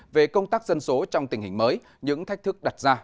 về công tác dân số trong tình hình mới những thách thức đặt ra